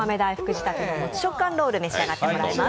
仕立てのもち食感ロールを召し上がってもらいます。